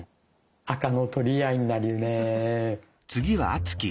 赤の取り合いになるね。